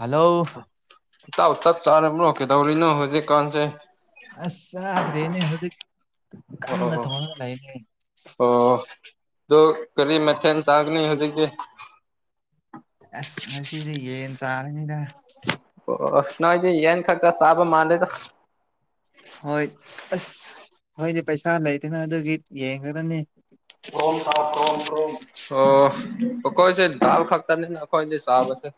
Hello ꯏꯇꯥꯎ ꯆꯥꯛ ꯆꯥꯔꯕ꯭ꯔꯣ ꯀꯗꯧꯔꯤꯅꯣ ꯍꯧꯖꯤꯛ ꯀꯥꯟꯁꯦ ꯑꯁ ꯆꯥꯗ꯭ꯔꯤꯅꯦ ꯍꯧꯖꯤꯛ ꯑꯣ ꯀꯟꯅ ꯊꯣꯡꯉꯒ ꯂꯩꯅꯦ꯫ ꯑꯣ ꯑꯗꯣ ꯀꯔꯤ ꯃꯊꯦꯜ ꯆꯥꯒꯅꯤ ꯍꯧꯖꯤꯛꯇꯤ ꯑꯁ ꯉꯁꯤꯗꯤ ꯌꯦꯟ ꯆꯥꯔꯅꯤꯗ ꯑꯣ ꯅꯣꯢꯗꯤ ꯌꯦꯟ ꯈꯛꯇ ꯆꯥꯕ ꯃꯥꯂꯦꯗ ꯍꯣꯏ ꯑꯁ ꯅꯣꯏꯗꯤ ꯄꯩꯁꯥ ꯂꯩꯇꯦꯅ ꯑꯗꯨꯒꯤ ꯌꯦꯡꯈ꯭ꯔꯥꯕꯅꯦ ꯑꯣꯝ ꯇꯥꯎ ꯇ꯭ꯔꯣꯝ ꯇ꯭ꯔꯣꯝ ꯑꯣ ꯑꯈꯣꯏꯁꯦ ꯗꯥꯜ ꯈꯛꯇꯅꯦꯅ ꯑꯈꯣꯏꯅꯦ ꯆꯥꯕꯁꯦ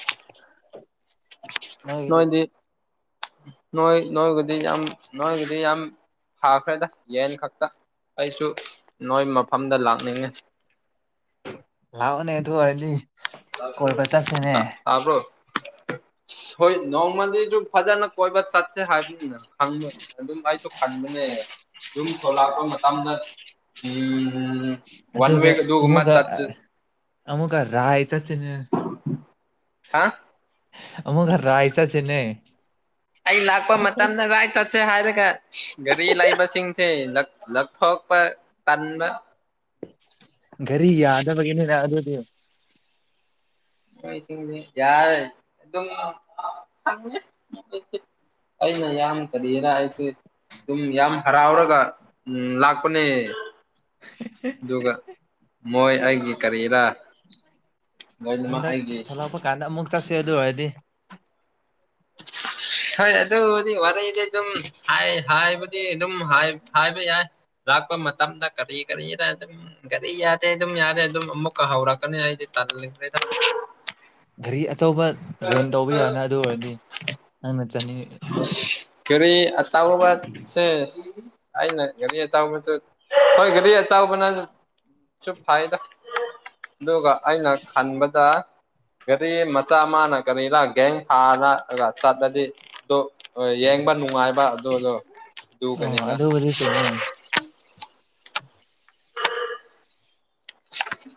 [inaudible] ꯅꯣꯏꯒꯤꯗꯤ ꯅꯣꯏꯗꯤ ꯅꯣꯏ ꯅꯣꯏꯕꯨꯗꯤ ꯌꯥꯝ ꯅꯣꯏꯕꯨꯗꯤ ꯌꯥꯝ ꯊꯥꯈ꯭ꯔꯦꯗ ꯌꯦꯟ ꯈꯛꯇ ꯑꯩꯁꯨ ꯅꯣꯏ ꯃꯐꯝꯗ ꯂꯥꯛꯅꯤꯡꯉꯦ ꯂꯥꯛꯑꯣꯅꯦ ꯑꯗꯨ ꯑꯣꯏꯔꯗꯤ ꯀꯣꯏꯕ ꯆꯠꯁꯤꯅꯦ ꯇꯥꯕ꯭ꯔꯣ ꯁꯤ ꯍꯣꯏ ꯅꯣꯡꯃꯗꯤꯖꯨ ꯐꯖꯅꯥ ꯀꯣꯏꯕ ꯆꯠꯁꯦ ꯍꯥꯏꯕꯅꯤꯅꯦ ꯈꯪꯉꯦ ꯑꯗꯨꯝ ꯑꯩꯁꯨ ꯈꯟꯕꯅꯦ ꯌꯨꯝ ꯊꯣꯛꯂꯛꯄ ꯃꯇꯝꯗ ꯎꯝ ꯋꯥꯟ ꯑꯗꯨꯒ ꯋꯤꯛ ꯑꯗꯨꯒꯨꯝꯕ ꯑꯃꯨꯛꯀ ꯆꯠꯁꯤ ꯑꯃꯨꯛꯀ ꯔꯥꯏ ꯆꯠꯁꯤꯅꯦ ꯍꯥ ꯑꯃꯨꯛꯀ ꯔꯥꯏ ꯆꯠꯁꯤꯅꯦ ꯑꯩ ꯂꯥꯛꯄ ꯃꯇꯝꯗ ꯔꯥꯏꯠ ꯆꯠꯁꯦ ꯍꯥꯏꯔꯒ ꯒꯥꯔꯤ ꯂꯩꯕꯁꯤꯡꯁꯦ ꯂꯛ ꯂꯛ ꯊꯣꯛꯄ ꯇꯟꯕ ꯒꯥꯔꯤ ꯌꯥꯗꯕꯒꯤꯅꯤꯅꯦ ꯑꯗꯨꯗꯤ ꯈꯣꯏꯁꯤꯡꯗꯤ ꯌꯥꯔꯦ ꯑꯗꯨꯝ ꯈꯪꯉꯦ ꯑꯩꯅ ꯌꯥꯝ ꯀꯔꯤꯔ ꯑꯩꯁꯤ ꯑꯗꯨꯝ ꯌꯥꯝ ꯍꯔꯥꯎꯔꯒ ꯎꯝ ꯂꯥꯛꯄꯅꯦ ꯑꯗꯨꯒ ꯃꯣꯏ ꯑꯩꯒꯤ ꯀꯔꯤꯔ ꯂꯣꯏꯅꯃꯛ ꯍꯟꯗꯛ ꯑꯩꯒꯤ ꯊꯣꯛꯂꯛꯄ ꯀꯥꯟꯗ ꯑꯃꯨꯛ ꯆꯠꯁꯦ ꯑꯗꯨ ꯑꯣꯏꯔꯗꯤ ꯍꯣꯏ ꯑꯗꯨꯕꯨꯗꯤ ꯋꯥꯔꯤꯗꯤ ꯑꯗꯨꯝ ꯍꯥꯏ ꯍꯥꯏꯕꯨꯗꯤ ꯑꯗꯨꯝ ꯍꯥꯏ ꯍꯥꯏꯕ ꯌꯥꯏ ꯂꯥꯛꯄ ꯃꯇꯝꯗ ꯀꯔꯤ ꯀꯔꯤꯔ ꯑꯗꯨꯝ ꯒꯥꯔꯤ ꯌꯥꯗꯦ ꯑꯗꯨꯝ ꯌꯥꯔꯦ ꯑꯗꯨꯝ ꯑꯃꯨꯛꯀ ꯍꯧꯔꯛꯀꯅꯤ ꯑꯩꯗꯤ ꯇꯜꯈ꯭ꯔꯦꯗ ꯒꯥꯔꯤ ꯑꯆꯧꯕ ꯔꯦꯟ ꯇꯧꯕ ꯌꯥꯅꯤ ꯑꯗꯨ ꯑꯣꯏꯔꯗꯤ ꯅꯪꯅ ꯆꯠꯅꯤꯡ ꯒꯥꯔꯤ ꯑꯇꯧꯕ ꯁꯦ ꯑꯩꯅ ꯒꯥꯔꯤ ꯑꯆꯥꯎꯕꯖꯨ ꯍꯣꯏ ꯒꯥꯔꯤ ꯑꯆꯥꯎꯕꯅꯖꯨ ꯆꯨꯞ ꯐꯥꯏꯗ ꯑꯗꯨꯒ ꯑꯩꯅ ꯈꯟꯕꯗ ꯒꯥꯔꯤ ꯃꯆꯥ ꯃꯥꯅ ꯀꯔꯤꯔ ꯒꯦꯡ ꯁꯥꯔꯒ ꯆꯠꯂꯗꯤ ꯑꯗꯨ ꯍꯣꯏ ꯌꯦꯡꯕ ꯅꯨꯡꯉꯥꯏꯕ ꯑꯗꯨꯗꯣ ꯑꯗꯨꯒꯅꯤꯅ ꯑꯗꯨ ꯆꯨꯝꯃꯦ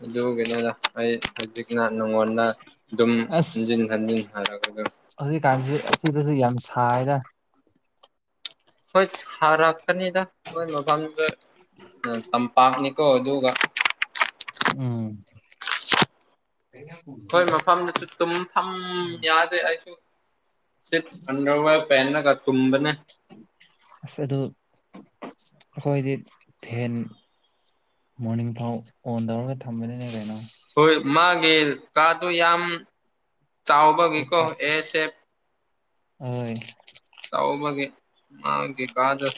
ꯑꯗꯨꯒꯤꯅꯦꯗ ꯑꯩ ꯍꯧꯖꯤꯛꯅ ꯅꯉꯣꯟꯗ ꯑꯗꯨꯝ ꯍꯟꯖꯤꯟ ꯍꯟꯖꯤꯟ ꯍꯥꯏꯔꯛ ꯑꯒꯥ ꯍꯧꯖꯤꯛꯀꯥꯟꯖꯤ ꯑꯆꯤꯛꯄꯖꯨ ꯌꯥꯝ ꯁꯥꯏꯗ ꯍꯣꯏ ꯁꯥꯔꯛꯀꯅꯤꯗ ꯅꯣꯏ ꯃꯐꯝꯗꯨ ꯇꯝꯄꯥꯛꯅꯤꯀꯣ ꯑꯗꯨꯒ ꯎꯝ꯫ ꯑꯩꯈꯣꯏ ꯃꯐꯝꯗꯨꯖꯨ ꯇꯨꯝ ꯐꯝ ꯌꯥꯗꯦ ꯑꯩꯁꯨ ꯁꯤꯠ ꯐꯪꯈ꯭ꯔꯥꯕ ꯄꯦꯟꯅꯒ ꯇꯨꯝꯕꯅꯦ ꯑꯁ ꯑꯗꯨ ꯑꯩꯈꯣꯏꯗꯤ ꯐꯦꯟ ꯃꯣꯔꯅꯤꯡ ꯐꯥꯎ ꯑꯣꯟ ꯇꯧꯔꯒ ꯊꯝꯕꯅꯤꯅꯦ ꯀꯩꯅꯣ ꯍꯣꯏ ꯃꯥꯒꯤ ꯀꯥꯗꯨ ꯌꯥꯝ ꯆꯥꯎꯕꯒꯤꯀꯣ ꯑꯦꯁ ꯁꯦꯞ ꯍꯣꯏ ꯇꯧꯕꯒꯤ ꯃꯥꯒꯤ ꯀꯥꯗꯨ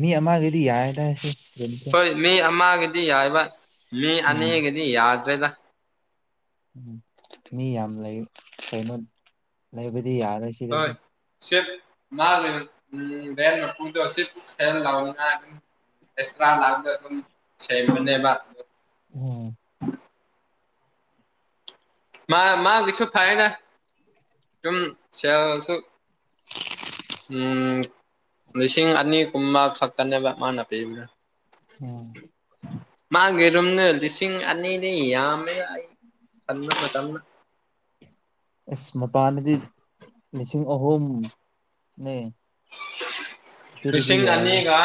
ꯃꯤ ꯑꯃꯒꯤꯗꯤ ꯌꯥꯏꯗ ꯁꯤ ꯔꯦꯟ ꯁꯦ ꯍꯣꯏ ꯃꯤ ꯑꯃꯒꯤꯗꯤ ꯌꯥꯏꯕ ꯃꯤ ꯎꯝ ꯑꯅꯤꯒꯤꯗꯤ ꯌꯥꯗ꯭ꯔꯦꯗ ꯎꯝ ꯃꯤ ꯌꯥꯝ ꯂꯩ ꯀꯩꯅꯣ ꯂꯩꯕꯗꯤ ꯌꯥꯔꯣꯏꯁꯤ ꯍꯣꯏ ꯁꯤꯞ ꯃꯥꯒ ꯎꯝ [unintelligible] ꯑꯦꯁꯇ꯭ꯔꯥ ꯂꯥꯛꯑꯒ ꯑꯗꯨꯝ ꯁꯦꯡꯕꯅꯦꯕ ꯑꯣ ꯃꯥ ꯃꯥꯒꯤꯁꯨ ꯐꯥꯏꯅ ꯑꯗꯨꯝ ꯁꯦꯜꯁꯨ ꯎꯝ ꯂꯤꯁꯤꯡ ꯑꯅꯤꯒꯨꯝꯃ ꯈꯛꯇꯅꯦꯕ ꯃꯥꯅ ꯄꯤꯕꯗꯨ ꯑꯣ ꯃꯥꯒꯤ ꯔꯨꯝꯗꯨ ꯂꯤꯁꯤꯡ ꯑꯅꯤꯗꯤ ꯌꯥꯝꯃꯦꯗ ꯑꯩꯅ ꯈꯟꯕ ꯃꯇꯝꯗ ꯑꯦꯁ ꯃꯄꯥꯟꯗꯗꯤ ꯂꯤꯁꯤꯡ ꯑꯍꯨꯝꯅꯦ ꯁꯤꯗꯗꯤ ꯂꯤꯁꯤꯡ ꯌꯥꯏꯌꯦ ꯑꯅꯤꯒ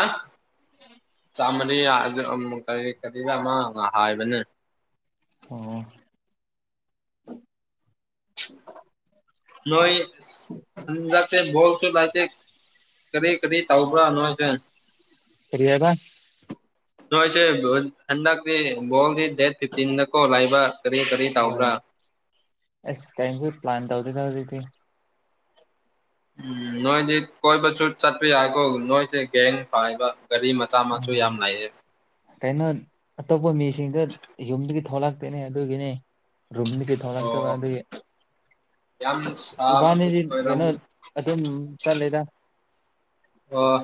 ꯆꯥꯝꯃꯔꯤ ꯔꯥ ꯑꯝ ꯀꯔꯤ ꯀꯔꯤꯕ ꯑꯃ ꯍꯥꯏꯕꯅꯦ ꯑꯣ ꯅꯣꯏ [unintelligible] ꯕꯣꯜꯁꯨ [unintelligible] ꯀꯔꯤ ꯀꯔꯤ ꯇꯥꯎꯕ꯭ꯔꯥ ꯅꯣꯏꯁꯦ ꯀꯔꯤ ꯍꯥꯏꯕ ꯅꯣꯏꯁꯦ ꯍꯟꯗꯛꯇꯤ ꯕꯣꯜꯗꯤ ꯗꯦꯠ ꯐꯤꯞꯇꯤꯟꯗꯀꯣ ꯂꯩꯕ ꯀꯔꯤ ꯀꯔꯤ ꯇꯧꯕ꯭ꯔꯥ ꯑꯦꯁ ꯀꯔꯤꯁꯨ ꯄ꯭ꯂꯥꯟ ꯇꯧꯗꯦꯗ ꯍꯧꯖꯤꯛꯇꯤ ꯎꯝ ꯅꯣꯏꯗꯤ ꯀꯣꯏꯕꯁꯨ ꯆꯠꯄ ꯌꯥꯏꯀꯣ ꯅꯣꯏꯁꯦ ꯒꯦꯡ ꯄꯥꯏꯕ ꯒꯥꯔꯤ ꯃ ꯃꯆꯥ ꯃꯁꯨ ꯎꯝ ꯌꯥꯝ ꯂꯩꯌꯦ ꯀꯩꯅꯣ ꯑꯇꯣꯞꯄ ꯃꯤꯁꯤꯡꯗꯨ ꯌꯨꯝꯗꯒꯤ ꯊꯣꯛꯂꯛꯇꯦꯅꯦ ꯑꯗꯨꯒꯤꯅꯦ ꯔꯨꯝꯗꯒꯤ ꯑꯣ ꯊꯣꯂꯛꯇꯕ ꯑꯗꯨꯒꯤ ꯌꯥꯝ ꯏꯕꯥꯅꯤꯗꯤ ꯁꯥꯕꯒꯤꯁꯨ ꯀꯩꯅꯣ ꯑꯣꯏꯔꯝꯒꯅꯤ ꯑꯗꯨꯝ ꯆꯠꯂꯦꯗ ꯑꯣ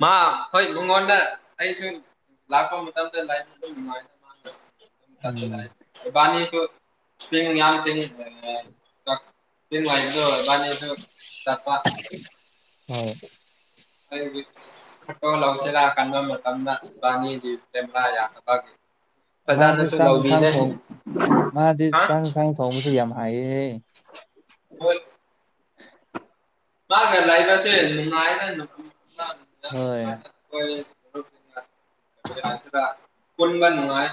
ꯃꯥ ꯍꯣꯏ ꯃꯉꯣꯟꯗ ꯑꯩꯁꯨ ꯂꯥꯛꯄ ꯃꯇꯝꯗ ꯂꯥꯏ [unintelligible] ꯎꯝ [unintelligible] ꯏꯕꯥꯅꯤꯁꯨ [unintelligible] ꯆꯤꯡ ꯋꯥꯔꯤꯗꯣ ꯏꯕꯥꯟꯅꯤꯁꯨ ꯇꯝꯄꯥꯛ ꯍꯣꯏ ꯍꯥꯏꯗꯤ ꯐꯣꯇꯣ ꯂꯥꯎꯁꯦꯔꯥ ꯈꯟꯕ ꯃ ꯃꯇꯝꯗ ꯏꯕꯥꯅꯤꯒꯤ ꯀꯦꯃꯦꯔꯥ ꯌꯥꯗꯕꯒꯤ ꯃꯥꯁꯦ ꯐꯖꯅꯁꯨ ꯆꯥꯛ ꯌꯦꯟꯁꯥꯡ ꯂꯧꯕꯤꯗꯦ ꯊꯣꯡ ꯍ ꯍꯥꯏꯌꯦ ꯍꯣꯏ ꯃꯥꯒ ꯂꯩꯕꯁꯦ ꯅꯨꯡꯉꯥꯏꯅ [unintelligible] ꯍꯣꯏ ꯅꯨꯡꯉꯥꯏꯅ [unintelligible] ꯄꯨꯟꯕ ꯅꯨꯡꯉꯥꯏ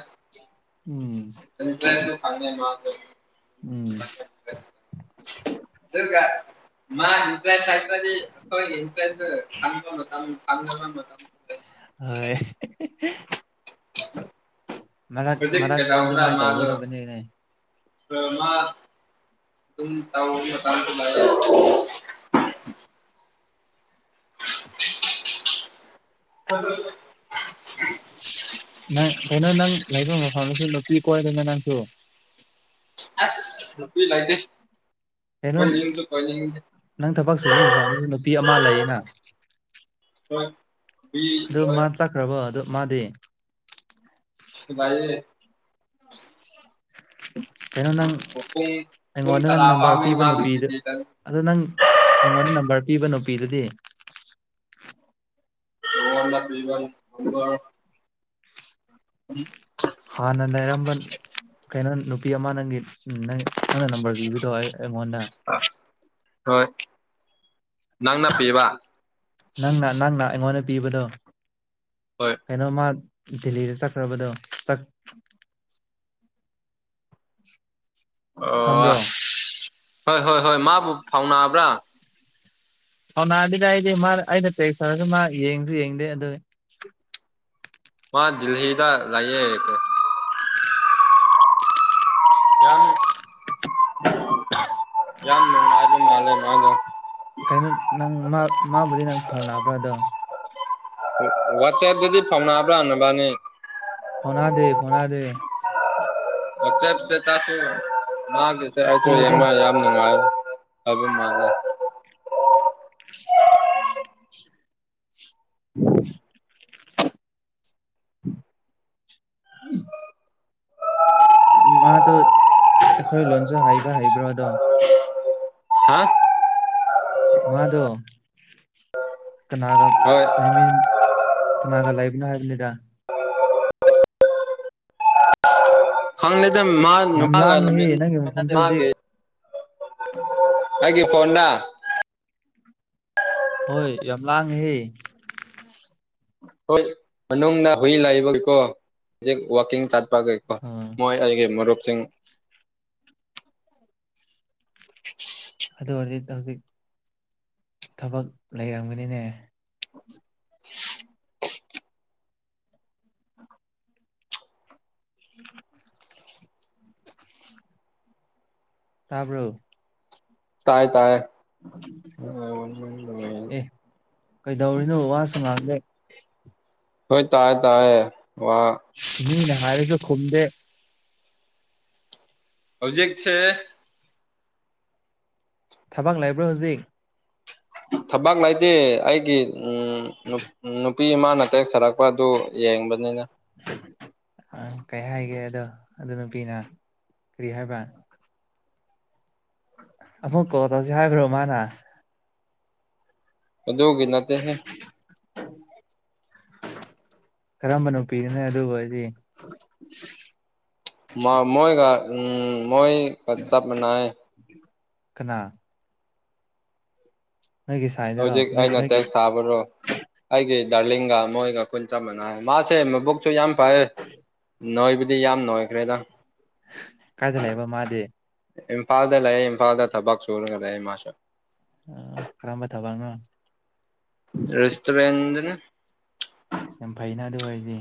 ꯎꯝ ꯏꯟꯇꯔꯦꯁꯁꯨ ꯐꯪꯉꯦ ꯃꯥꯁꯨ ꯎꯝ [unintelligible] ꯃꯥꯒꯤ ꯐ꯭ꯔꯦꯟ ꯁꯥꯔꯀꯜ [unintelligible] ꯍꯣꯏ [inaudible] ꯃꯔꯛ ꯍꯧꯖꯤꯛ ꯃꯔꯛꯇ ꯀꯩꯗꯧꯕ꯭ꯔꯥ ꯑꯗꯨꯃꯥꯥꯏ ꯃꯥꯗꯣ ꯇꯧꯒꯗꯕꯅꯤꯅꯦ ꯃꯥ ꯑꯗꯨꯝ ꯃꯇꯝꯁꯨ ꯇꯧ [inaudible] ꯅꯪ ꯀꯩꯅꯣ ꯅꯪ ꯂꯩꯕ ꯃꯐꯝꯗꯁꯨ ꯅꯨꯄꯤ ꯀꯣꯏꯗꯅ ꯅꯪꯁꯨ ꯑꯁ ꯅꯨꯄꯤ ꯂꯩꯇꯦ ꯀꯩꯅꯣ ꯀꯣꯏꯅꯤꯡꯁꯨ ꯀꯣꯏꯅꯤꯡꯗꯦ ꯅꯪ ꯊꯕꯛ ꯁꯨꯕ ꯃꯐꯝꯗꯨ ꯅꯨꯄꯤ ꯑꯃ ꯂꯩꯌꯦꯅ ꯍꯣꯢ ꯑꯗꯨ ꯃꯥ ꯆꯠꯈ꯭ꯔꯕꯣ ꯑꯗꯨ ꯃꯥꯗꯤ ꯂꯩꯌꯦ [inaudible] ꯀꯩꯅꯣ ꯅꯪ ꯄꯨꯡ ꯄꯨꯡ ꯑꯩꯉꯣꯟꯗ ꯅꯪ ꯇꯔꯥ ꯅꯝꯕꯔ ꯐꯥꯎꯅꯤ ꯄꯤꯕ ꯃꯥꯒꯤ ꯅꯨꯄꯤꯗꯨ ꯗ꯭ꯌꯨꯇꯤꯗ ꯑꯗꯨ ꯅꯪ ꯑꯩꯉꯣꯟꯗ ꯅꯝꯕꯔ ꯄꯤꯕ ꯅꯨꯄꯤꯗꯨꯗꯤ ꯅꯉꯣꯟꯗ ꯄꯤꯕ ꯅꯝꯕꯔ [inaudible] ꯍꯥꯟꯅ ꯂꯩꯔꯝꯕ ꯀꯩꯅꯣ ꯅꯨꯄꯤ ꯑꯃ ꯅꯪꯒꯤ ꯎꯝ ꯅꯪ ꯅꯪꯅ ꯅꯝꯕꯔ ꯄꯤꯕꯗꯣ ꯑꯩ ꯑꯩꯉꯣꯟꯗ ꯍꯣꯏ ꯅꯪꯅ ꯄꯤꯕ ꯅꯪꯅ ꯅꯪꯅ ꯑꯩꯉꯣꯟꯗ ꯄꯤꯕꯗꯣ ꯍꯣꯏ ꯀꯩꯅꯣꯃ ꯗꯦꯜꯂꯤꯗ ꯆꯠꯈ꯭ꯔꯕꯗꯣ ꯆꯠ ꯈꯪꯕ꯭ꯔꯣ ꯑꯣ ꯍꯣꯏ ꯍꯣꯏ ꯍꯣꯏ ꯃꯥꯕꯨ ꯐꯥꯎꯅꯥꯕ꯭ꯔ ꯐꯥꯎꯅꯗꯦꯗ ꯑꯩꯗꯤ ꯃꯥ ꯑꯩꯩꯅ ꯇꯦꯛꯁ ꯇꯧꯔꯁꯨ ꯃꯥ ꯌꯦꯡꯁꯨ ꯌꯦꯡꯗꯦ ꯑꯗꯨ ꯃꯥ ꯗꯦꯜꯂꯤꯗ ꯂꯩꯌꯦ ꯌꯥꯅꯤ [inaudible] ꯌꯥꯝ ꯅꯨꯉꯥꯢꯕ ꯃꯥꯜꯂꯦ ꯃꯥꯗꯣ ꯀꯩꯅꯣ ꯅꯪ ꯃꯥ ꯃꯥꯕꯨꯗꯤ ꯅꯪ ꯐꯥꯎꯅꯕ꯭ꯔ ꯑꯗꯣ ꯋꯥꯠꯆꯦꯞꯇꯗꯤ ꯐꯥꯎꯅꯕ꯭ꯔ ꯅꯕꯥꯟꯅꯤ ꯐꯧꯅꯥꯗꯦ ꯐꯧꯅꯥꯗꯦ ꯋꯥꯠꯆꯦꯞ ꯁ꯭ꯇꯦꯇꯁꯇꯣ ꯃꯥꯒꯤꯁꯦ ꯑꯩꯁꯨ ꯎꯗꯦ ꯌꯦꯡꯕ ꯌꯥꯗꯦ ꯅꯨꯡꯉꯥꯏ ꯇꯧꯕ ꯃꯥꯜꯂꯦ [inaudible] ꯏ ꯎꯝ ꯃꯥꯗꯣ ꯑꯩꯈꯣꯏ ꯂꯣꯟꯁꯨ ꯍꯩꯕ ꯍꯩꯕ꯭ꯔꯣ ꯑꯗꯣ ꯍꯥ ꯃꯥꯗꯣ ꯀꯅꯥꯒ ꯍꯣꯏ ꯂꯩꯃꯤꯟ ꯀꯅꯥꯒ ꯂꯩꯕꯅꯣ ꯍꯥꯏꯕꯅꯤꯗ ꯈꯪꯗꯦꯗ ꯃꯥ ꯌꯥꯝ ꯅꯨꯄꯥꯥꯒ ꯂꯥꯡꯉꯦꯍꯦ ꯂꯩꯃꯤꯟ ꯅꯪꯒꯤ ꯃꯐꯝꯁꯦ ꯍꯧꯖꯤꯛ ꯃꯥꯒꯤ ꯑꯩꯒꯤ ꯐꯣꯟꯗ ꯍꯣꯏ ꯌꯥꯝ ꯂꯥꯡꯉꯦꯍꯦ ꯍꯣꯏ ꯃꯅꯨꯡꯗ ꯍꯨꯏ ꯂꯩꯕꯒꯤꯀꯣ ꯍꯧꯖꯤꯛ ꯋꯥꯛꯀꯤꯡ ꯆꯠꯄꯒꯤ ꯑꯥ ꯃꯣꯏ ꯑꯩꯒꯤ ꯃꯔꯨꯞꯁꯤꯡ ꯑꯗꯨ ꯑꯣꯏꯔꯗꯤ ꯍꯧꯖꯤꯛ ꯊꯕꯛ ꯂꯩꯔꯝꯒꯅꯤꯅꯦ [inaudible] [inaudible] ꯇꯥꯕ꯭ꯔꯣ ꯇꯥꯏꯌꯦ ꯇꯥꯏꯌꯦ ꯑꯦ ꯀꯩꯗꯧꯔꯤꯅꯣ ꯋꯥꯁꯨ ꯉꯥꯡꯗꯦ ꯍꯣꯏ ꯇꯥꯏꯌꯦ ꯇꯥꯏꯌꯦ ꯋꯥ ꯃꯤꯅ ꯍꯥꯏꯔꯁꯨ ꯈꯨꯝꯗꯦ ꯍꯧꯖꯤꯛꯁꯦ ꯊꯕꯛ ꯂꯩꯕ꯭ꯔꯥ ꯍꯧꯖꯤꯛ ꯊꯕꯛ ꯂꯩꯇꯦ ꯑꯩꯒꯤ ꯎꯝ ꯅꯨ ꯎꯝ ꯅꯨꯄꯤꯃꯅꯥ ꯇꯦꯛꯁ ꯊꯥꯔꯛ ꯄꯥꯗꯨ ꯌꯦꯡꯕꯅꯤꯅ ꯑ ꯀꯩ ꯍꯥꯏꯒꯦ ꯑꯗꯣ ꯑꯗꯨ ꯅꯨꯄꯤꯅ ꯀꯔꯤ ꯍꯥꯏꯕ꯭ꯔꯥ ꯑꯃꯨꯛ ꯀꯣꯜ ꯇꯧꯖꯦ ꯍꯥꯏꯕ꯭ꯔꯣ ꯃꯥꯅ ꯑꯗꯨꯒꯤ ꯅꯠꯇꯦꯍꯦ ꯀꯔꯝꯕ ꯅꯨꯄꯤꯅꯣꯅꯦ ꯑꯗꯨ ꯑꯣꯢꯔꯗꯤ ꯃ ꯃꯣꯏꯒ ꯎꯝ ꯃꯣꯏ ꯀ ꯆꯞ ꯃꯥꯟꯅꯩꯌꯦ ꯀꯅꯥ ꯅꯣꯏꯒꯤ ꯁꯥꯏꯗꯔꯣ ꯍꯧꯖꯤꯛ ꯅꯣꯏ ꯑꯩꯅ ꯅꯣꯏꯒꯤ ꯇꯦꯛꯁ ꯊꯥꯕ ꯕꯣꯔꯣ ꯑꯩꯒꯤ ꯗꯥꯔꯂꯤꯡꯒ ꯃꯣꯏꯒ ꯈꯨꯟ ꯆꯞ ꯃꯥꯟꯅꯩꯌꯦ ꯃꯥꯁꯦ ꯃꯕꯨꯛꯁꯨ ꯌꯥꯝ ꯐꯌꯦ ꯅꯣꯏꯕꯗꯤ ꯌꯥꯝ ꯅꯣꯏꯈ꯭ꯔꯦꯗ ꯀꯥꯏꯗ ꯂꯩꯕ ꯃꯥꯗꯤ ꯏꯝꯐꯥꯜꯗ ꯂꯩꯌꯦ ꯏꯝꯐꯥꯜꯗ ꯊꯕꯛ ꯁꯨꯔꯒ ꯂꯩ ꯃꯥꯁꯨ ꯑꯥ ꯀꯔꯝꯕ ꯊꯕꯛꯅꯣ ꯔꯦꯁꯇꯨꯔꯦꯟꯗꯅꯦ ꯌꯥꯝ ꯐꯩꯩꯅ ꯑꯗꯨ ꯑꯣꯏꯗꯤ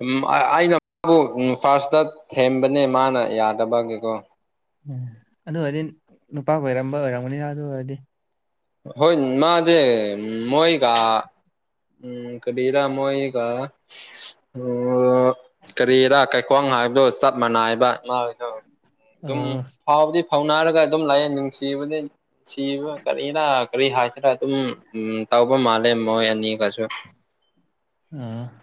ꯎꯝ ꯑꯩꯅ ꯃꯥꯕꯨ ꯐꯥꯔꯁꯇ ꯊꯦꯝꯕꯅꯦ ꯃꯥꯅ ꯌꯥꯗꯕꯒꯤꯀꯣ ꯎꯝ ꯑꯗꯨ ꯑꯣꯏꯔꯗꯤ ꯅꯨꯄꯥ ꯀꯣꯏꯔꯝꯕ ꯑꯣꯏꯔꯝꯒꯅꯤꯅ ꯑꯗꯨ ꯑꯣꯏꯔꯗꯤ ꯍꯣꯏ ꯃꯥꯖꯦ ꯃꯣꯏꯒ ꯎꯝ ꯀꯔꯤꯔꯥ ꯃꯣꯏꯒ ꯑꯣ ꯀꯔꯤꯔꯥ ꯀꯩ ꯈ꯭ꯋꯥꯡ ꯍꯥꯏꯕꯗꯣ ꯆꯞ ꯃꯥꯟꯅꯥꯏꯕ ꯃꯥꯒꯤꯗꯣ ꯑꯗꯨꯝ ꯑꯥ ꯐꯕꯗꯤ ꯐꯥꯎꯅꯔꯒ ꯑꯗꯨꯝ ꯂꯩꯌꯦ ꯅꯨꯡꯁꯤꯕꯗꯤ ꯅꯨꯡꯁꯤꯕ ꯀꯔꯤꯔꯥ ꯀꯔꯤ ꯍꯥꯏꯁꯤꯔꯥ ꯑꯗꯨꯝ ꯎꯝ ꯇꯧꯕ ꯃꯥꯜꯂꯦ ꯃꯣꯏ ꯑꯅꯤꯒꯁꯨ ꯑꯝ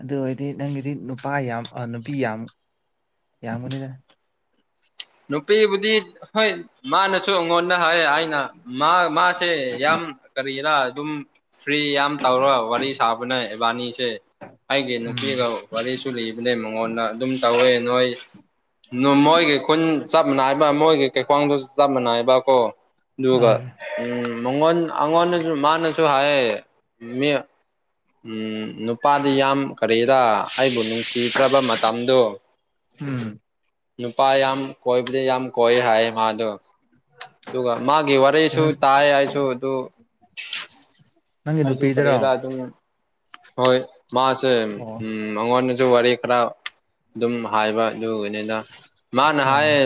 ꯑꯗꯨ ꯑꯣꯏꯗꯤ ꯅꯪꯒꯤꯗꯤ ꯅꯨꯄꯥ ꯌꯥꯝ ꯅꯨꯄꯤ ꯌꯥꯝ ꯌꯥꯝꯕꯅꯤꯅ ꯅꯨꯄꯤꯕꯨꯗꯤ ꯍꯣꯏ ꯃꯥꯅꯁꯨ ꯑꯩꯉꯣꯟꯗ ꯍꯥꯏꯌꯦ ꯑꯩꯅ ꯃꯥ ꯃꯥꯁꯦ ꯌꯥꯝ ꯀꯩ ꯀꯔꯤꯔ ꯑꯗꯨꯝ ꯐ꯭ꯔꯤ ꯌꯥꯝ ꯇꯧꯔꯣ ꯋꯥꯔꯤ ꯁꯥꯕꯅꯦ ꯏꯕꯅꯤꯁꯦ ꯑꯩꯒꯤ ꯎꯝ ꯅꯨꯄꯤꯒ ꯋꯥꯔꯤꯁꯨ ꯂꯤꯕꯅꯦ ꯃꯉꯣꯟꯗ ꯑꯗꯨꯝ ꯇꯧꯋꯦ ꯅꯣꯏ ꯃꯣꯏꯒꯤ ꯈꯨꯟ ꯆꯞ ꯃꯥꯟꯅꯥꯏꯕ ꯃꯣꯏꯒꯤ ꯀꯩꯀ꯭ꯋꯥꯡꯗꯨꯁꯨ ꯆꯞ ꯃꯥꯟꯅꯥꯏꯕ ꯀꯣ ꯑꯗꯨꯒ ꯍꯣꯏ ꯎꯝ ꯃꯉꯣꯟ ꯑꯩꯉꯣꯟꯗꯁꯨ ꯃꯥꯅꯁꯨ ꯍꯥꯏꯌꯦ ꯃꯤ ꯎꯝ ꯅꯨꯄꯥꯗꯤ ꯌꯥꯝ ꯀꯔꯤꯔ ꯑꯩꯕꯨ ꯅꯨꯡꯁꯤꯗ꯭ꯔꯕ ꯃꯇꯝꯗꯣ ꯎꯝ ꯅꯨꯄꯥ ꯌꯥꯝ ꯀꯣꯏꯕꯗꯤ ꯌꯥꯝ ꯀꯣꯏ ꯍꯥꯏꯌꯦ ꯃꯥꯗꯣ ꯑꯗꯨꯒ ꯃꯥꯒꯤ ꯋꯥꯔꯤꯁꯨ ꯀꯩꯅꯣ ꯇꯥꯏ ꯑꯩꯁꯨ ꯑꯗꯨ ꯅꯪꯒꯤ ꯑꯩꯁꯨ ꯅꯨꯄꯤꯗꯔꯣ ꯀꯔꯤꯔ ꯑꯗꯨꯝ ꯍꯣꯏ ꯃꯥꯁꯦ ꯑꯣ ꯎꯝ ꯃꯉꯣꯟꯗꯖꯨ ꯋꯥꯔꯤ ꯈꯔ ꯑꯗꯨꯝ ꯍꯥꯏꯕ ꯑꯗꯨꯒꯤꯅꯤꯗ ꯃꯥꯅ ꯑꯥ ꯍꯥꯏꯌꯦ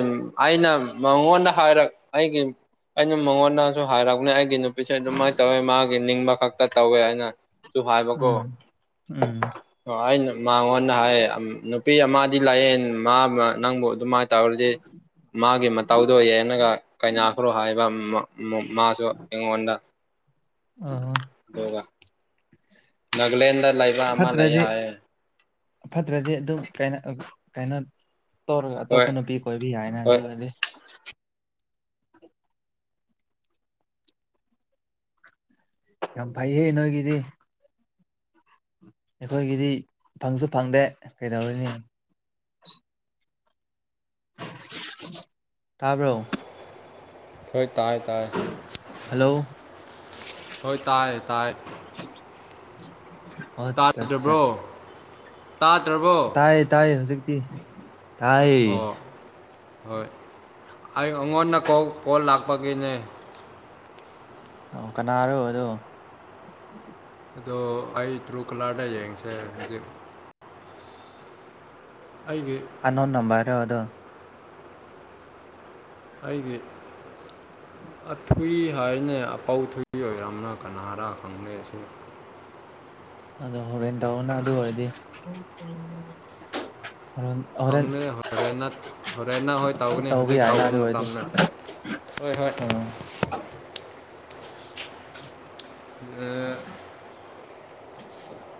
ꯑꯩꯅ ꯃꯉꯣꯟꯗ ꯍꯥꯏꯔꯛ ꯑꯩꯒꯤ ꯑꯩꯅ ꯃꯉꯣꯟꯗꯖꯨ ꯍꯥꯏꯔꯛꯄꯅꯦ ꯑꯩꯒꯤ ꯅꯨ ꯄꯤꯁꯦ ꯑꯗꯨꯃꯥꯏꯅ ꯇꯧꯋꯦ ꯃꯥꯒꯤ ꯅꯤꯡꯕ ꯈꯛꯇ ꯇꯧꯋꯦ ꯍꯥꯏꯅ ꯗꯨ ꯍꯥꯏꯕꯀꯣ ꯎꯝ ꯎꯝ ꯑꯩꯅ ꯃꯥꯉꯣꯟꯗ ꯍꯥꯏꯌꯦ ꯑꯝ ꯅꯨꯄꯤ ꯑꯃꯗꯤ ꯂꯩꯌꯦꯟ ꯃꯥꯝꯃ ꯅꯪꯕꯨ ꯑꯗꯨꯃꯥꯏ ꯇꯧꯔꯗꯤ ꯃꯥꯒꯤ ꯃꯇꯧꯗꯣ ꯌꯦꯟꯅꯒ ꯀꯥꯏꯅꯈ꯭ꯔꯣ ꯍꯥꯏꯕ ꯃꯥ ꯃꯥ ꯃꯥꯁꯨ ꯑꯩꯉꯣꯟꯗ ꯑꯥ ꯗꯨꯒ [unintelligible] ꯅꯒꯂꯦꯟꯗ ꯂꯩꯕ ꯑꯃ ꯂꯩꯌꯦ ꯐꯠꯇ꯭ꯔꯗꯤ ꯍꯥꯏꯌꯦ ꯐꯠꯇ꯭ꯔꯗꯤ ꯑꯗꯨꯝ ꯀꯩꯅꯣ ꯀꯩꯅꯣ ꯇꯧꯔꯒ ꯍꯣꯏ ꯑꯇꯣꯞꯄ ꯅꯨꯄꯤ ꯀꯣꯏꯕ ꯌꯥꯏꯅ ꯑꯗꯨ ꯍꯣꯏ ꯑꯣꯏꯗꯤ ꯌꯥꯝ ꯐꯩꯍꯦ ꯅꯣꯏꯒꯤꯗꯤ ꯑꯩꯈꯣꯏꯒꯤꯗꯤ ꯐꯪꯁꯨ ꯐꯪꯗꯦ ꯀꯩꯗꯧꯔꯨꯅꯤ ꯇꯥꯕ꯭ꯔꯣ ꯊꯣꯏ ꯇꯥꯏ ꯇꯥꯏ ꯍꯜꯂꯣ ꯍꯣꯏ ꯇꯥꯏ ꯇꯥꯏ ꯑꯠꯆꯥ ꯆꯥ ꯇꯥꯗ꯭ꯔꯕ꯭ꯔꯣ ꯇꯥꯗ꯭ꯔꯕꯣ ꯇꯥꯏꯌꯦ ꯇꯥꯏꯌꯦ ꯍꯧꯖꯤꯛꯇꯤ ꯇꯥꯏ ꯑꯣ ꯍꯣꯏ ꯍꯥꯏꯌꯨ ꯑꯉꯣꯟꯗ ꯀꯣ ꯀꯣꯜ ꯂꯥꯛꯄꯒꯤꯅꯦ ꯑꯣ ꯀꯅꯥꯔꯣ ꯑꯗꯣ ꯑꯗꯣ ꯑꯩ ꯇ꯭ꯔꯨꯀꯂꯥꯔꯗ ꯌꯦꯡꯁꯦ ꯍꯨꯖꯤꯛ ꯑꯩꯒꯤ ꯑꯟꯅꯣꯟ ꯅꯝꯕꯔꯣ ꯑꯗꯣ [inaudible] ꯑꯩꯒꯤ ꯑꯊꯨꯏ ꯍꯥꯏꯅꯦ ꯑꯄꯧ ꯊꯨꯏ ꯑꯣꯏꯔꯝꯅ ꯀꯅꯥꯔ ꯈꯪꯗꯦ ꯑꯁꯤ ꯑꯗꯣ ꯍꯣꯔꯦꯟ ꯇꯧꯅ ꯑꯗꯨ ꯑꯣꯏꯔꯗꯤ ꯍꯣꯔꯦꯟ ꯍꯣꯔꯦꯟ ꯐꯪꯗꯦ ꯍꯣꯔꯦꯟꯅꯠ ꯍꯣꯔꯦꯟꯅ ꯍꯣꯏ ꯇꯧꯒꯅꯤ ꯍꯨꯖꯤꯛ ꯌꯥꯏꯅ ꯇꯧꯕ ꯑꯗꯨ ꯑꯣꯏꯔꯗꯤ ꯃꯇꯝ ꯅꯠꯇꯦ ꯍꯣꯏ ꯍꯣꯏ ꯑꯥ ꯑꯥ [unintelligible]